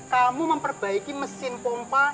kamu memperbaiki mesin pompa